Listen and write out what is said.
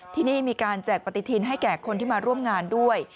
ที่นี่มีการแจกปฏิทินให้แก่คนที่มาร่วมงานด้วย